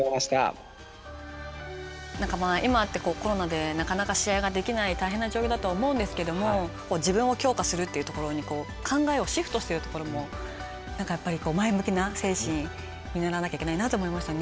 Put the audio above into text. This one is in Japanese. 今ってコロナでなかなか試合ができない大変な状況だと思うんですけども自分を強化するっていうところに考えをシフトしてるところもなんかやっぱり前向きな精神見習わなきゃいけないなと思いましたね。